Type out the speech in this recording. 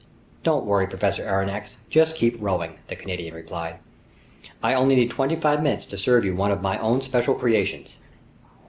"Don't worry, Professor Aronnax, just keep rowing!" the Canadian replied. "I only need twenty five minutes to serve you one of my own special creations."